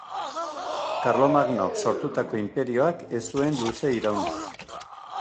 Karlomagnok sortutako inperioak ez zuen luze iraun.